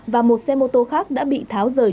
và một xe mô tô khác đã bị tháo rời